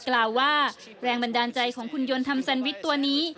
กล่าวว่าแรงบันดาลใจของหุ่นยนต์ทำแซนวิชตัวนี้